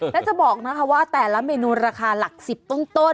แล้วจะบอกนะคะว่าแต่ละเมนูราคาหลัก๑๐ต้น